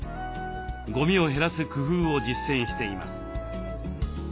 ゴミを減らす工夫を実践しています。